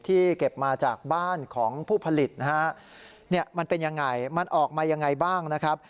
เก็บมาจากบ้านของผู้ผลิตนะฮะเนี่ยมันเป็นยังไงมันออกมายังไงบ้างนะครับ